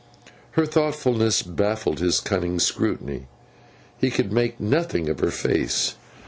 Her thoughtfulness baffled his cunning scrutiny. He could make nothing of her face.